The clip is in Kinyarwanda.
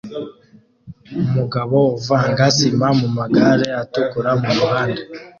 Umugabo uvanga sima mumagare atukura mumuhanda